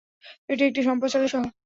এটি একটি সম্পদশালী শহর।